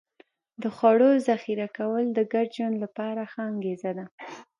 د خوړو ذخیره کول د ګډ ژوند لپاره ښه انګېزه ده.